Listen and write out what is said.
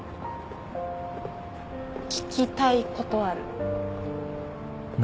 聞きたいことある。